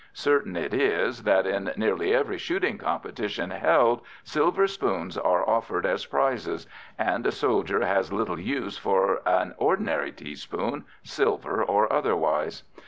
Certain it is that in nearly every shooting competition held, silver spoons are offered as prizes and a soldier has little use for an ordinary teaspoon, silver or otherwise.